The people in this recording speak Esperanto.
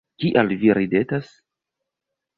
Kial vi ridetas?